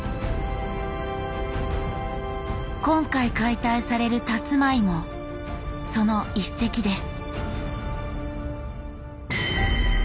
今回解体されるたつまいもその一隻です。